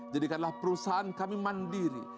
jadikanlah perusahaan kami mandiri